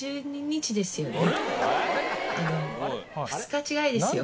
２日違いですよ。